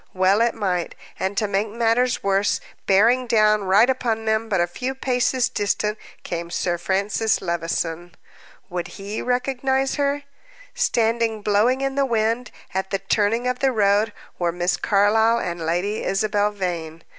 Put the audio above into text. Well it might. And, to make matters worse, bearing down right upon them, but a few paces distant, came Sir Francis Levison. Would he recognize her? Standing blowing in the wind at the turning of the road were Miss Carlyle and Lady Isabel Vane.